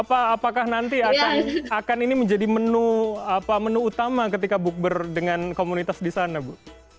apakah nanti akan ini menjadi menu utama ketika bu berkomunitas di sana bu